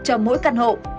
các căn hộ